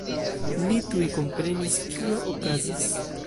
Li tuj komprenis, kio okazis.